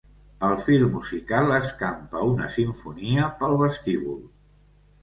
El fil musical escampa una simfonia pel vestíbul.